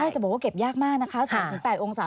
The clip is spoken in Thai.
จะบอกว่าเก็บยากมากนะคะ๐๘องศา